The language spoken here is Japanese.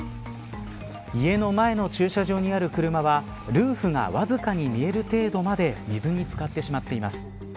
家の前の駐車場にある車はルーフがわずかに見える程度まで水に漬かってしまっています。